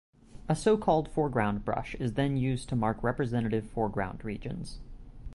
A so-called foreground brush is then used to mark representative foreground regions.